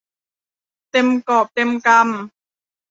เต็มกอบเต็มกำ